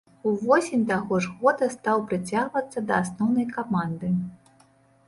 Увосень таго ж года стаў прыцягвацца да асноўнай каманды.